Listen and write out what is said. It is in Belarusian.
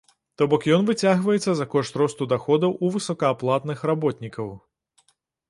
То бок ён выцягваецца за кошт росту даходаў у высокааплатных работнікаў.